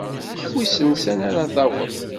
Wissen sani ara taweḍ!